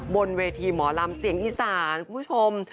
บนเวทีหมอลำเสียงอีสานคุณผู้ชม